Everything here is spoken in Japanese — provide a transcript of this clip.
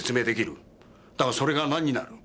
だがそれがなんになる？